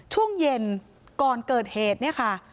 ช่วงเย็นก่อนเกิดเหตุเนี่ยค่ะ